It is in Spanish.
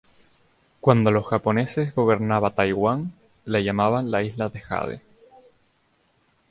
Cuando los japoneses gobernaba Taiwán, la llamaban la "Isla de Jade".